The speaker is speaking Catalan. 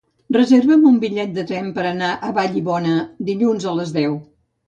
Reserva'm un bitllet de tren per anar a Vallibona dilluns a les deu.